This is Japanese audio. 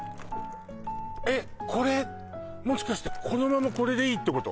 えッこれもしかしてこのままこれでいいってこと？